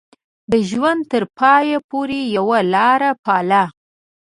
د ژوند تر پايه پورې يې يوه لاره پالله.